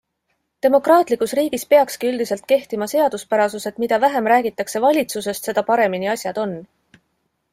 Demokraatlikus riigis peakski üldiselt kehtima seaduspärasus, et mida vähem räägitakse valitsusest, seda paremini asjad on.